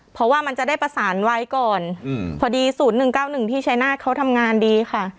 เพราะว่ามันจะได้ประสานไว้ก่อนอืมพอดีศูนย์หนึ่งเก้าหนึ่งที่ใช้หน้าเขาทำงานดีค่ะ